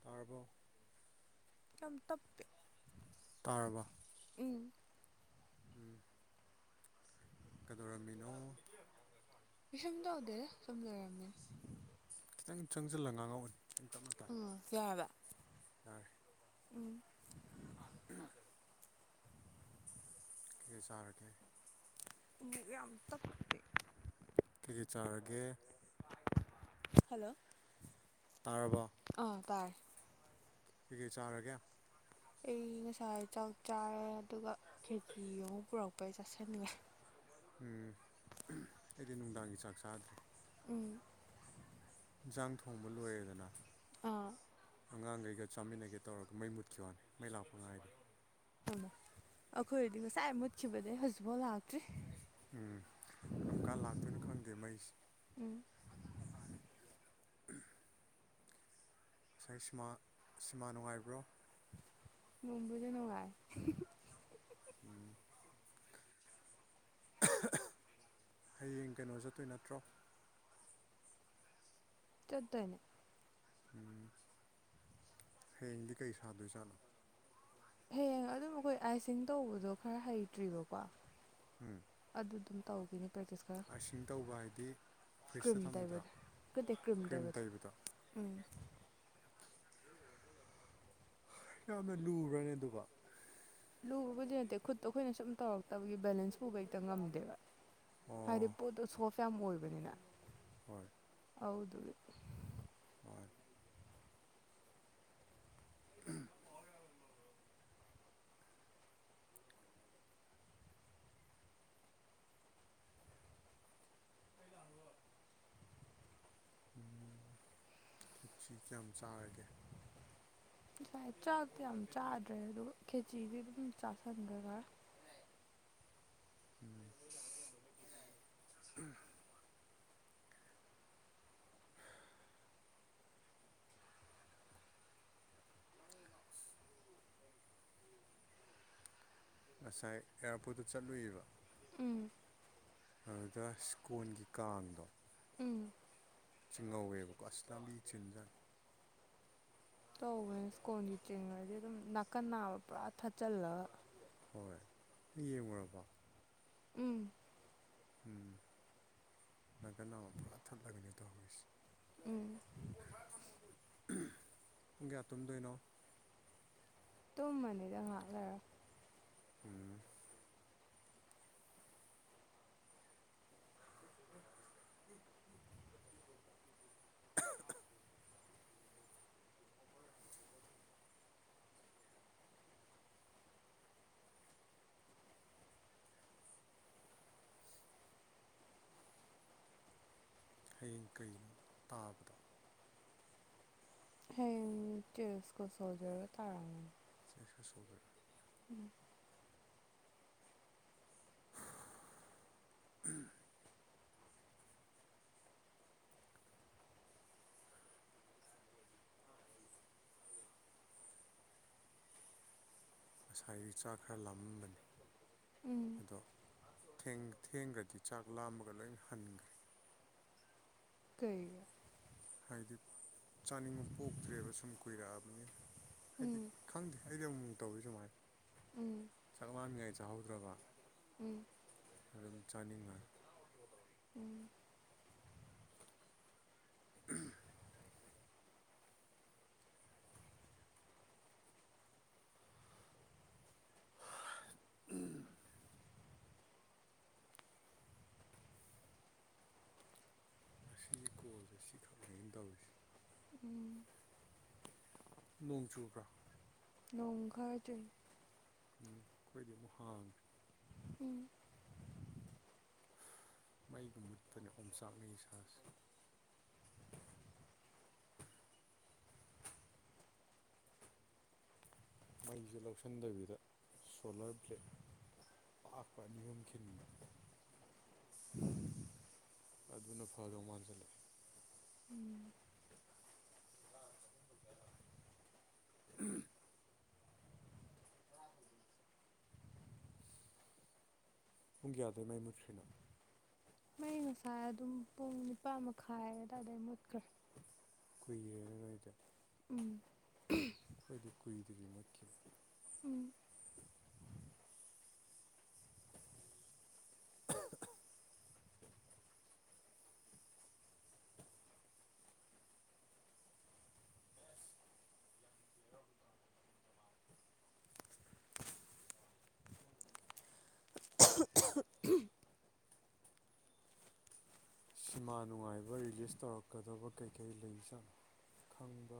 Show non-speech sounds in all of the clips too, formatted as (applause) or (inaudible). ꯇꯥꯔꯕꯣ ꯇ ꯇꯞꯄꯤ ꯇꯥꯔꯔꯕ ꯏ ꯎꯝ ꯀꯩꯗꯧꯔꯝꯃꯤꯅꯣ ꯑꯩꯁꯨꯝ ꯇꯧꯗꯦꯗ ꯁꯨꯝ ꯂꯩꯔꯝꯅꯦ ꯈꯤꯇꯪ ꯆꯪꯁꯤꯜꯂꯒ ꯉꯥꯡꯉꯧꯑꯅꯤ ꯎꯝ ꯌꯥꯕ ꯌꯥꯔꯦ ꯎꯝ ꯁꯤ ꯆꯥꯔꯒꯦ ꯌꯥꯝ ꯇ ꯐꯦ ꯀꯩ ꯀꯩ ꯆꯥꯔꯒꯦ ꯍꯜꯂꯣ ꯇꯥꯔꯕꯣ ꯑ ꯇꯥꯏ ꯀꯩꯀꯩ ꯆꯥꯔꯒꯦ ꯑꯩ ꯉꯁꯥꯏ ꯆꯥꯛ ꯆꯥꯔꯦ ꯑꯗꯨꯒ ꯈꯦꯇ ꯑꯃꯨ ꯄꯨꯔꯛꯄꯩ ꯆꯥꯁꯤꯟꯂꯦ ꯎꯝ ꯑꯩꯗꯤ ꯅꯨꯡꯗꯥꯡꯒꯤ ꯆꯥꯛ ꯆꯥꯗ꯭ꯔꯦ ꯎꯝ ꯌꯦꯟꯁꯥꯡ ꯊꯣꯡꯕ ꯂꯣꯏꯔꯦꯗꯅ ꯑꯥ ꯑꯉꯥꯡꯈꯩꯒ ꯆꯥꯃꯤꯟꯅꯒꯦ ꯇꯧꯔꯒ ꯃꯩ ꯃꯨꯠꯈꯤꯕ ꯋꯥꯅꯤ ꯃꯩ ꯂꯥꯛꯄ ꯉꯥꯏꯗꯣ ꯑꯩꯈꯣꯏꯔꯗꯤ ꯉꯁꯥꯏ ꯃꯨꯠꯈꯤꯕꯗꯩ ꯍꯧꯖꯤꯛꯐꯥꯎ ꯂꯥꯛꯇ꯭ꯔꯤ ꯎꯝ ꯀꯔꯝꯀꯥꯟ ꯂꯥꯛꯇꯣꯏꯅꯣ ꯈꯪꯗꯦ ꯃꯩꯁꯦ ꯎꯝ ꯎꯝ ꯉꯁꯥꯏ ꯁꯤꯃꯥ ꯁꯤꯃꯥ ꯅꯨꯡꯉꯥꯏꯕ꯭ꯔꯣ ꯅꯝꯕꯨꯗ ꯅꯨꯡꯉꯥꯏ ꯎꯝ ꯍꯌꯦꯡ ꯀꯩꯅꯣ ꯆꯠꯇꯣꯏ ꯅꯠꯇ꯭ꯔꯣ ꯠꯇꯅꯦ ꯎꯝ ꯍꯌꯦꯡꯗꯤ ꯀꯩ ꯁꯥꯗꯣꯏꯖꯥꯠꯂꯣ ꯍꯌꯦꯡ ꯑꯗꯨꯝ ꯑꯩꯈꯣꯏ ꯑꯥꯏꯁꯤꯡ ꯇꯧꯕꯗꯣ ꯈꯔ ꯍꯩꯇ꯭ꯔꯤꯕꯀꯣ ꯎꯝ ꯑꯗꯨ ꯑꯗꯨꯝ ꯇꯧꯈꯤꯅꯤ ꯄ꯭ꯔꯁ ꯑꯥꯏꯁꯤꯡ ꯇꯧꯕ ꯍꯥꯏꯗꯤ ꯐ꯭ꯔꯤꯖꯇ ꯀ꯭ꯔꯤꯝ ꯊꯝꯕꯗꯨꯔꯣ ꯇꯥꯏꯕꯗꯨ ꯀꯗꯤ ꯀ꯭ꯔꯤꯝ ꯇꯥꯏꯕꯗꯨ ꯎꯝ ꯌꯥꯝꯅ ꯂꯨꯔꯅꯦ ꯑꯗꯨꯒꯕ ꯂꯨꯕꯕꯨꯗꯤ ꯅꯠꯇꯦ ꯈꯨꯠꯇꯣ ꯑꯩꯈꯣꯏꯅ ꯁꯨꯝ ꯇꯧꯔꯒꯦ ꯇꯕꯒꯤ ꯕꯦꯂꯦꯟꯁ ꯄꯨꯕ ꯍꯦꯛꯇ ꯉꯝꯗꯦꯕ ꯍꯥꯏꯗꯤ ꯑꯣ ꯄꯣꯠꯇꯣ ꯁꯣꯐ ꯌꯥꯝ ꯑꯣꯏꯕꯅꯤꯅ ꯍꯣꯏ ꯍꯥꯎꯗ ꯑꯣ ꯄ ꯍ ꯎꯝ ꯊꯤꯠꯁꯤ ꯀꯌꯥꯝ ꯆꯥꯔꯒꯦ ꯉꯁꯥꯏ ꯆꯥꯛꯇꯣ ꯌꯥꯝ ꯆꯥꯗ꯭ꯔꯦ ꯑꯗꯣ ꯈꯦꯆꯗꯤ ꯑꯗꯨꯝ ꯆꯥꯁꯟꯈ ꯈꯔ ꯎꯝ ꯎꯝ (unintelligible) ꯉꯁꯥꯏ ꯑꯦꯌꯥꯔꯄꯣꯔꯠꯇ ꯆꯠꯂꯨꯏꯌꯦꯕ ꯎꯝ ꯑꯗꯨꯗ ꯁ꯭ꯀꯣꯟꯒꯤ ꯀꯥꯡꯗꯣ ꯎꯝ ꯆꯤꯡ ꯉꯥꯎꯋꯦꯕꯀ ꯑꯥꯁꯇ ꯕꯤꯇꯔꯤꯟꯖꯒꯦ ꯇꯧꯕꯅꯦ ꯁ꯭ꯀꯣꯟꯒꯤ ꯆꯦꯡꯔꯗꯤ ꯑꯗꯨꯝ ꯅꯥꯀꯟ ꯅꯥꯕ ꯄꯨꯔꯥ ꯊꯥꯠꯆꯤꯜꯂꯒ ꯍꯣꯏ ꯌꯦꯡꯂꯡꯉꯨꯔꯕ ꯎꯝ ꯎꯝ ꯅꯪꯀ ꯅ ꯑꯃ ꯄꯨꯔꯥ ꯊꯠꯂꯒꯅꯤ ꯇꯧꯍꯧꯔꯤꯁꯦ ꯎꯝ ꯄꯨꯡ ꯀꯌꯥ ꯇꯨꯝꯗꯣꯏꯅꯣ ꯇꯨꯝꯃꯅꯤꯗ ꯉꯥꯏꯍꯥꯛ ꯂꯩꯔꯒ ꯎꯝ ꯎ ꯍꯌꯦꯡ ꯀꯩꯅꯣ ꯇꯥꯕꯗꯣ ꯍꯌꯦꯡ ꯇꯦꯁꯀ ꯁꯣꯖꯔꯒ ꯇꯥꯔꯝꯒꯅꯤ ꯁꯤ ꯁꯁꯣꯈ꯭ꯔ ꯎꯝ ꯉꯁꯥꯏꯒꯤ ꯆꯥꯛ ꯈꯔ ꯂꯥꯝꯃꯝꯕꯅꯤ ꯎꯝ ꯑꯗꯣ ꯊꯦꯡꯈ꯭ꯔꯗꯤ ꯆꯥꯛ ꯂꯥꯝꯃꯒ ꯂꯣꯏꯅ ꯍꯟꯈ꯭ꯔꯦ ꯀꯩ ꯍꯥꯏꯗꯤ ꯆꯥꯅꯤꯡꯕ ꯄꯣꯛꯇ꯭ꯔꯦꯕ ꯁꯨꯝ ꯀꯨꯏꯔꯛꯑꯕꯅꯤ ꯍꯥꯏꯗꯤ ꯎꯝ ꯈꯪꯗꯦ ꯑꯩꯗꯤ ꯑꯃꯨꯛ ꯇꯧꯔꯤ ꯁꯨꯃꯥꯏ ꯎꯝ ꯆꯥꯛ ꯃꯥꯟꯉꯥꯏ ꯆꯥꯍꯧꯗ꯭ꯔꯕ ꯎꯝ ꯑꯗꯨꯝ ꯆꯥꯅꯤꯡꯉꯦ ꯎꯝ ꯎꯝ ꯎꯝ ꯉꯥꯁꯤꯒꯤ ꯀꯣꯜꯖꯦ ꯁꯤ ꯈꯛꯅꯦ ꯑꯩꯅꯥ ꯇꯧꯔꯤꯖꯦ (inaudible) ꯅꯣꯡ ꯆꯨꯕ꯭ꯔꯥ ꯅꯣꯡ ꯈꯔꯥ ꯆꯨꯏ ꯈꯣꯏꯗꯤꯃꯨꯛ ꯍꯥꯡꯈ꯭ꯔꯦ ꯎꯝ ꯃꯩꯒ ꯃꯨꯠꯄꯅꯦ ꯑꯣꯝꯆꯥꯛꯅꯩ ꯏꯁꯥꯁꯦ ꯃꯩꯁ ꯂꯧꯁꯤꯟꯗꯕꯤꯗ ꯁꯣꯂꯔ ꯄ꯭ꯂꯦꯠ ꯄꯥꯛꯄ ꯑꯅꯤ ꯑꯍꯨꯝ ꯈꯤꯟꯕ ꯑꯗꯨꯅ ꯐꯗꯧ ꯃꯥꯟꯁꯤꯜꯂꯦ ꯎꯝ ꯎꯝ ꯄꯨꯡ ꯀꯌꯥꯗꯩ ꯃꯥꯏ ꯃꯨꯠ꯭ꯔꯤꯅꯣ ꯃ ꯉꯁꯥꯏ ꯑꯗꯨꯝ ꯄꯨꯡ ꯅꯤꯄꯥꯥꯟ ꯃꯈꯥꯏ ꯑꯗꯨꯋꯥꯏꯗꯥꯏ ꯃꯨꯠꯈ꯭ꯔꯦ ꯀꯨꯏꯔꯦꯔꯔꯣꯏꯗ ꯎꯝ ꯀꯈꯗꯤ ꯀꯨꯏ ꯗꯗꯤꯒ꯭ꯔꯤ ꯃꯠꯀꯤꯈꯤꯕꯨ ꯎꯝ (unintelligible) ꯁꯤꯃꯥ ꯅꯨꯡꯉꯥꯏꯕ ꯔꯤꯂꯤꯁ ꯇꯧꯔꯛꯀꯗꯕ ꯀꯩꯀꯩ ꯂꯩꯖꯥꯠꯅꯣ ꯈꯪꯕꯣ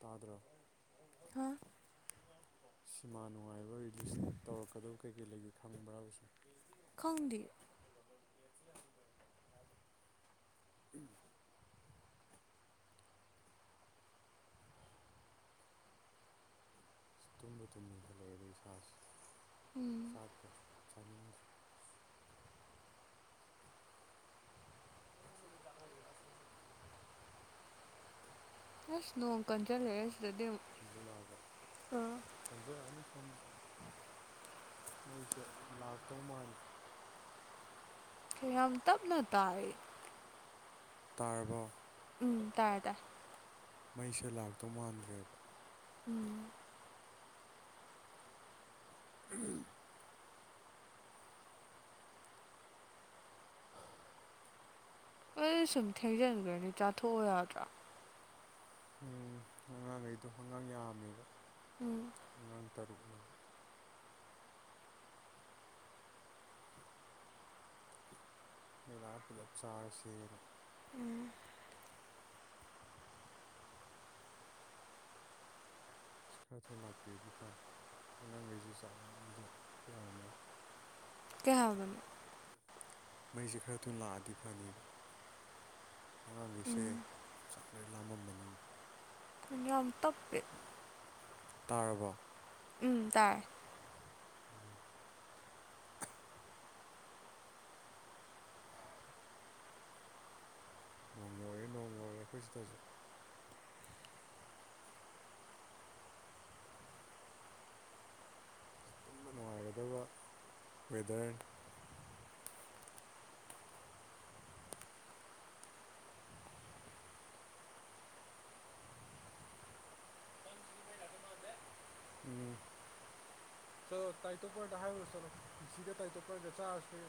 ꯇꯥꯗ꯭ꯔꯣ ꯍꯥ ꯁꯤꯃꯥ ꯅꯨꯡꯉꯥꯏꯕ ꯔꯤꯂꯤꯁ ꯇꯧꯔꯛꯀꯗꯕ ꯀꯩꯀꯩ ꯂꯩꯒꯦ ꯈꯪꯕ꯭ꯔꯕꯁꯨꯝ ꯈꯪꯗꯦ (unintelligible) ꯑꯁ ꯇꯨꯝꯕ ꯇꯨꯝꯅꯤꯡꯈꯠꯂꯛꯑꯦꯗ ꯏꯁꯥꯁꯦ ꯎꯝ ꯆꯥꯛꯀ ꯆꯥꯅꯤꯡꯗ꯭ꯔꯦ (unintelligible) ꯑꯁ ꯅꯣꯡ ꯀꯟꯖꯜꯂꯛꯑꯦ ꯁꯤꯗꯗꯤ ꯀꯟꯖꯟꯂꯛꯑꯅꯤ ꯁꯣꯝꯗꯁꯨ ꯃꯩꯁꯦ ꯂꯥꯛꯇꯧ ꯃꯥꯟꯗ꯭ꯔꯦ ꯌꯥꯝ ꯇꯞꯅ ꯇꯥꯏ ꯇꯥꯔꯕꯣ ꯎꯝ ꯇꯥꯏ ꯃꯩꯁꯦ ꯂꯥꯛꯇꯧ ꯃꯥꯟꯗ꯭ꯔꯦ ꯎꯝ (unintelligible) ꯑꯁ ꯁꯨꯝ ꯊꯦꯡꯖꯥꯟꯈ꯭ꯔꯅꯤ ꯆꯥꯊꯣꯛꯑꯣ ꯌꯥꯗ꯭ꯔꯣ ꯎꯝ ꯑꯉꯥꯡꯈꯩꯗꯣ ꯑꯉꯥꯡ ꯌꯥꯝꯃꯦꯕ ꯎꯝ ꯇꯔꯨꯛꯅꯦ ꯃꯩꯂꯥꯛꯑꯥ ꯄꯨꯂꯞ ꯆꯥꯔꯁꯦꯅ ꯎꯝ ꯑꯁ ꯈꯔ ꯊꯨꯅ ꯂꯥꯛꯄꯤꯔꯗꯤ ꯐꯅꯤ ꯑꯉꯥꯡꯈꯩꯁꯨ ꯆꯥꯛ ꯂꯥꯝꯕꯗ ꯌꯥꯔꯝꯃꯔꯣꯏ ꯀꯩꯍꯥꯏꯕꯅꯣ ꯃꯩꯁꯦ ꯈꯔ ꯊꯨꯅ ꯂꯥꯛꯑꯗꯤ ꯐꯅꯤꯕ ꯑꯉꯥꯡꯈꯩꯁꯦ ꯎꯝ ꯆꯥꯛꯂꯣꯏ ꯂꯥꯝꯃꯝꯃꯥꯅꯤ ꯌꯥꯝ ꯇꯞꯄꯦ ꯇꯥꯔꯕꯣ ꯎꯝ ꯇꯥꯏ ꯎꯝ ꯅꯣꯡ ꯌꯧꯔꯑꯦ ꯅꯣꯡ ꯌꯧꯔꯛꯑꯦꯈꯣꯏ ꯁꯤꯗꯁꯨ ꯇꯨꯝꯕ ꯅꯨꯡꯉꯥꯏꯒꯗꯕ ꯋꯦꯗꯔꯟ ꯎꯝ ꯆꯂꯣ ꯇꯥꯏꯇꯣꯞꯄꯔꯗ ꯍꯥꯏꯌ ꯆꯂꯣ ꯁꯤꯗ ꯇꯥꯏꯇꯣꯄꯔꯒ ꯆꯥꯔꯁꯤꯦ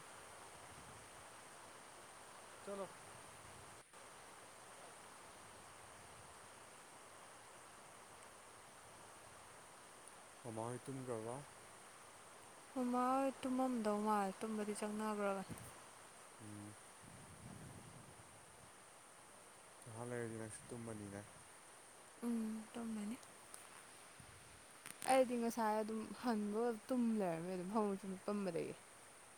ꯆꯂꯣ ꯃꯃꯥ ꯍꯇꯒ꯭ꯔꯕ ꯃꯃꯥ ꯍꯣꯏ ꯇꯨꯝꯃꯝꯗꯧ ꯃꯥꯜꯦ ꯇꯨꯝꯕꯗꯤ ꯆꯪꯅꯈ꯭ꯔꯒꯅꯤ ꯎꯝ ꯅꯍꯥꯛ ꯂꯩꯔꯗꯤ ꯅꯪꯁꯨ ꯇꯨꯝꯃꯅꯤ ꯎꯝ ꯇꯨꯝꯃꯅꯤ ꯑꯩꯗꯤ ꯉꯁꯥꯏ ꯑꯗꯨꯝ ꯍꯟꯕꯒ ꯇꯨꯝ ꯂꯩꯔꯝꯃꯦ ꯑꯗꯨꯝ ꯐꯥꯃꯨꯡ ꯁꯨꯝ ꯍꯤꯄꯝꯕꯗꯒꯤ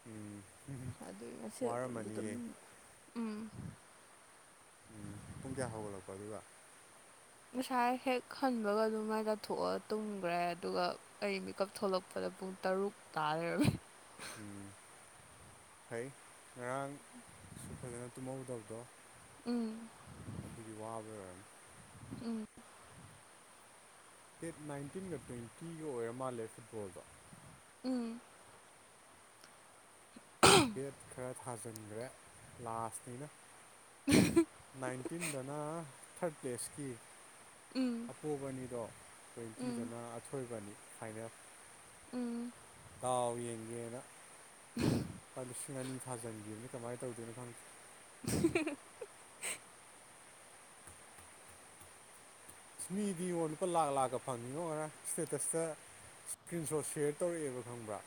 ꯎꯝ ꯑꯗꯨ ꯉꯁꯤꯗꯣ ꯇꯨꯝꯁꯨ ꯋꯥꯔꯝꯃꯅꯤꯌꯦ ꯇꯨꯝꯅꯤꯡꯕ ꯄꯨꯡ ꯀꯌꯥ ꯍꯧꯒꯠꯂꯛꯄ ꯑꯗꯨꯒ ꯉꯁꯥꯏ ꯍꯦꯛ ꯍꯟꯕꯒ ꯑꯗꯨꯝ ꯃꯥꯏ ꯇꯥꯊꯣꯛꯑꯒ ꯇꯨꯝꯈ꯭ꯔꯦ ꯑꯗꯨꯒ ꯑꯩ ꯃꯤꯀꯞ ꯊꯣꯛꯂꯛꯄꯗ ꯄꯨꯡ ꯇꯔꯨꯛ ꯇꯥ ꯂꯩꯔꯝꯃꯦ ꯎꯝ ꯐꯩ ꯉꯔꯥꯡꯁꯨ ꯐꯖꯅ ꯇꯨꯝꯍꯧꯗꯕꯗꯣ ꯎꯝ ꯑꯗꯨꯒꯤ ꯋꯥꯕ ꯑꯣꯏꯔꯝꯅꯤ ꯎꯝ ꯗꯦꯠ ꯅꯥꯏꯟꯇꯤꯟꯒ ꯇ꯭ꯋꯦꯟꯇꯤꯒ ꯑꯣꯏꯔ ꯃꯥꯜꯂꯦ ꯐꯨꯠꯕꯣꯜ ꯎꯝ ꯕꯦꯠ ꯈꯔ ꯊꯥꯖꯤꯟꯈ꯭ꯔꯦ ꯂꯥꯁꯇꯩꯅ ꯅꯥꯏꯟꯇꯤꯟꯗꯅ ꯊꯥꯔꯠ ꯄ꯭ꯂꯦꯁꯀꯤ ꯎ ꯀꯣꯕꯅꯤꯗꯣ ꯇ꯭ꯋꯦꯟꯇꯤꯗꯅ ꯑꯊꯣꯏꯕꯅꯤ ꯐꯥꯏꯅꯦꯜ ꯎꯝ ꯗꯥꯎ ꯌꯦꯡꯒꯦꯅ ꯂꯨꯄꯥ ꯂꯤꯁꯤꯡ ꯑꯅꯤ ꯊꯥꯖꯤꯟꯒꯦꯅ ꯀꯃꯥꯏꯅ ꯇꯧꯗꯣꯏꯅꯣ ꯈꯪꯦ (unintelligible) ꯃꯤꯗꯤ ꯌꯣꯟ ꯂꯨꯄꯥ ꯂꯥꯛ ꯂꯥꯛꯀ ꯐꯪꯉꯤꯉꯣ ꯑꯣꯏꯔ ꯏꯁꯇꯦꯇꯁꯇ ꯏꯁꯀ꯭ꯔꯤꯟ ꯁꯣꯠ ꯁꯦꯌꯔ ꯇꯧꯔꯛꯑꯦꯕ ꯈꯪꯕ꯭ꯔꯥ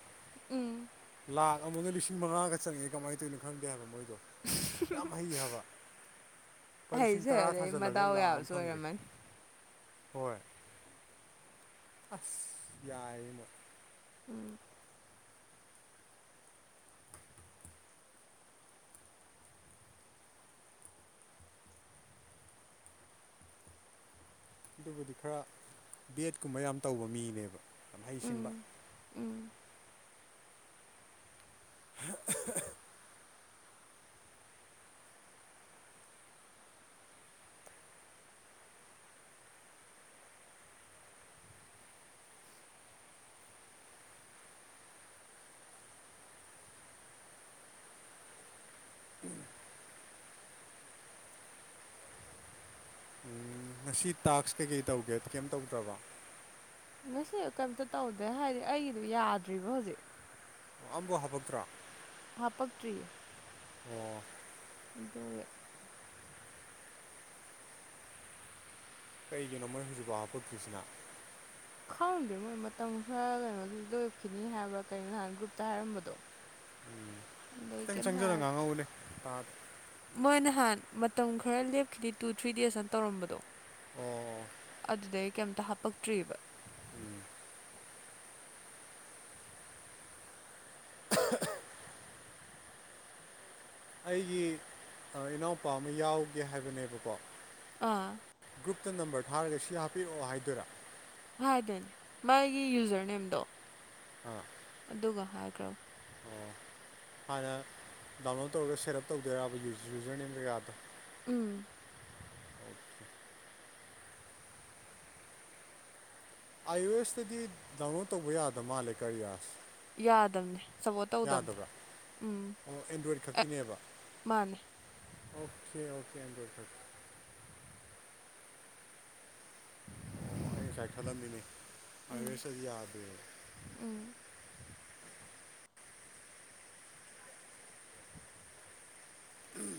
ꯑꯦ ꯂꯥꯛ ꯑꯃꯗ ꯂꯤꯁꯤꯡ ꯃꯉꯥꯒ ꯆꯪꯉꯦ ꯀꯃꯥꯏꯅ ꯇꯧꯔꯤꯅꯣ ꯈꯪꯒꯦ ꯍꯥꯏꯕ ꯃꯣꯏꯗꯣ ꯌꯥꯝ ꯍꯩ ꯍꯥꯏꯕ ꯂꯨꯄꯥ ꯂꯤꯁꯤꯡ ꯍꯩꯁꯦ ꯇꯔꯥ ꯑꯗꯩ ꯊꯥꯖꯤꯜꯂꯒ ꯃꯗꯥꯎ ꯂꯥꯛꯑ ꯑꯃ ꯌꯥꯕꯁꯨ ꯐꯪꯒꯦ ꯑꯣꯏꯔꯝꯃꯅꯤ ꯍꯣꯏ ꯑꯁ ꯌꯥꯏ ꯃ ꯎꯝ ꯑꯗꯨꯕꯨꯗꯤ ꯈꯔ ꯕꯦꯠꯀꯨꯝꯕ ꯌꯥꯝ ꯇꯧꯕ ꯃꯤꯅꯦꯕ ꯌꯥꯝ ꯎꯝ ꯍꯩꯁꯤꯡꯕ ꯎꯝ ꯍ ꯎꯝ ꯉꯁꯤ ꯇꯥꯛꯁ ꯀꯩꯀꯩ ꯇꯧꯒꯦ ꯀꯩꯝ ꯇꯧꯗ꯭ꯔꯕ ꯉꯁꯤ ꯀꯩꯝꯇ ꯇꯧꯗꯦ ꯍꯥꯏꯗꯤ ꯑꯩꯒꯤꯗꯨꯣ ꯌꯥꯗ꯭ꯔꯤꯕ ꯍꯧꯖꯤꯛ ꯑꯕꯨ ꯍꯥꯞꯄꯛꯇ꯭ꯔꯣ ꯍꯥꯄꯛ ꯇ꯭ꯔꯤꯌꯦ ꯑꯣ ꯑꯗꯨ ꯀꯩꯒꯤꯅꯣ ꯃꯣꯏ ꯍꯧꯖꯤꯛꯐꯥꯎꯕ ꯐꯠꯀꯤꯁꯤꯅ ꯈꯪꯗꯦ ꯃꯣꯏ ꯃꯇꯝ ꯈꯔ ꯀꯩꯅꯣꯗꯨ ꯂꯣꯏꯞꯈꯤꯅꯤ ꯍꯥꯏꯕ꯭ꯔꯥ ꯀꯩꯅꯣ ꯅꯍꯥꯟ ꯒ꯭ꯔꯨꯞꯇ ꯍꯥꯏꯔꯝꯕꯗꯣ ꯎꯝ ꯑꯗꯩ ꯈꯤꯇꯪ ꯀꯩꯝ ꯆꯪꯖꯔꯒ ꯉꯥꯡ ꯍꯥꯏꯔꯛꯇ꯭ꯔꯦ ꯉꯧꯕꯅꯦꯥ ꯃꯣꯏ ꯅꯍꯥꯟ ꯃꯇꯝ ꯈꯔ ꯂꯦꯞꯈꯤꯗꯦ ꯇꯨ ꯊ꯭ꯔꯤ ꯗꯦꯖꯅ ꯇꯧꯔꯝꯕꯗꯣ ꯑꯣ ꯑꯗꯨꯗꯩ ꯀꯩꯝꯇ ꯍꯥꯞꯄꯛꯇ꯭ꯑꯔꯤꯕ ꯎꯝ ꯎꯝ ꯎ ꯑꯩꯒꯤ ꯏꯅꯥꯎꯄꯥ ꯑꯃ ꯌꯥꯎꯒꯦ ꯍꯥꯏꯕꯅꯦꯕꯀꯣ ꯑꯥ ꯒ꯭ꯔꯨꯞꯇ ꯅꯝꯕꯔ ꯊꯥꯔꯒ ꯁꯤ ꯍꯥꯞꯄꯤꯔꯛꯑꯣ ꯍꯥꯏꯗꯨꯔꯥ ꯍꯥꯏꯗꯅꯦ ꯃꯥꯒꯤ ꯌꯨꯖꯔ ꯅꯦꯝꯗꯣ ꯎꯝ ꯑꯗꯨꯒ ꯍꯥꯏꯈ꯭ꯔꯕ ꯑꯣ ꯍꯥꯟꯅ ꯗꯥꯎꯟꯂꯣꯗ ꯇꯧꯔꯒ ꯁꯦꯠ ꯑꯞ ꯇꯧꯗꯣꯏꯕ ꯌꯨꯖꯔ ꯅꯦꯝ ꯀꯖꯀꯒꯥꯗꯣ ꯎꯝ ꯑ ꯑꯥꯏ ꯑꯣ ꯑꯦꯁꯇꯗꯤ ꯗꯥꯎꯟꯂꯣꯗ ꯇꯧꯕ ꯌꯥꯗꯕ ꯃꯥꯜꯂꯦ ꯀꯔꯤꯌꯥꯁ ꯌꯥꯗꯕꯅꯦ ꯁꯞꯄꯣꯔꯠ ꯇꯧꯗꯕꯅꯦ ꯌꯥꯗꯕ꯭ꯔꯥ ꯎꯝ ꯑꯣ ꯑꯦꯟꯗ꯭ꯔꯣꯏꯗ ꯑꯦ ꯈꯛꯀꯤꯅꯦꯕ ꯃꯥꯅꯦ ꯑꯣꯀꯦ ꯑꯣꯀꯦ ꯑꯗ ꯐ ꯑꯣ ꯑꯩ ꯉꯁꯥꯏ ꯈꯜꯂꯝꯃꯤꯅꯦ ꯎꯝ ꯑꯁꯗꯤ ꯌꯥꯗꯦ ꯎꯝ ꯎꯝ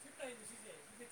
ꯁꯤꯐ ꯇ ꯁꯤꯁꯦ ꯊ꯭ꯔ